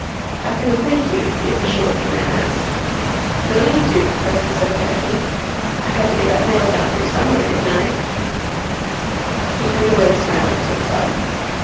"How can we thank you?" the official looking man asked. "No need to," Preston said casually. "I had to get that mail down here some way, didn't I?" He turned away, smiling to himself.